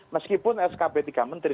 meskipun skp tiga menteri